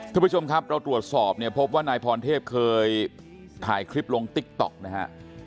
ทุกผู้ชมครับเราตรวจสอบเนี่ยพบว่านายพรเทพเคยถ่ายคลิปลงติ๊กต๊อกนะฮะ